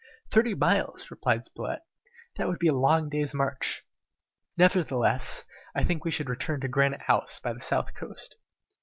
"Thirty miles!" returned Spilett. "That would be a long day's march. Nevertheless, I think that we should return to Granite House by the south coast."